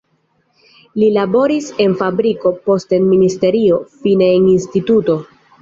Li laboris en fabriko, poste en ministerio, fine en instituto.